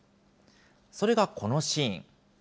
それがこのシーン。